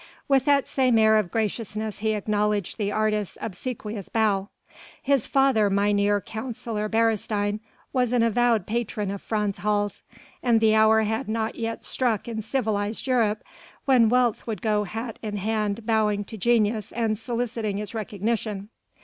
With that same air of graciousness he acknowledged the artist's obsequious bow. His father Mynheer Councillor Beresteyn was an avowed patron of Frans Hals and the hour had not yet struck in civilized Europe when wealth would go hat in hand bowing to genius and soliciting its recognition.